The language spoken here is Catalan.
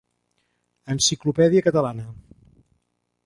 Enciclopèdia Catalana.